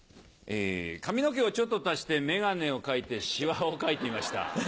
髪の毛をちょっと足して眼鏡を描いてシワを描いてみました。